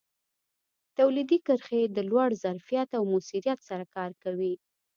تولیدي کرښې د لوړ ظرفیت او موثریت سره کار کوي.